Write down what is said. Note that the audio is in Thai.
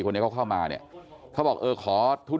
เค้าเข้ามาเค้าบอกขอทุดลงมาเรื่อยก็คอตั้ง